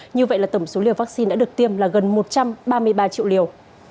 như vậy là tổng số liều vaccine đã được tiêm là gần một trăm ba mươi ba triệu liều